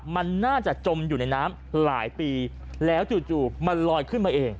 มันน่าจะจมอยู่ในน้ำหลายปีแล้วจู่มันลอยขึ้นมาเอง